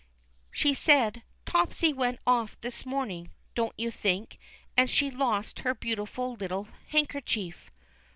She said, Topsy went off this morning, don't you think, and she lost her beautiful little handkerchief."